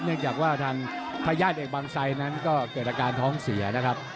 เนื่องจากว่าทางทายาทเอกบางไซนั้นก็เกิดอาการท้องเสียนะครับ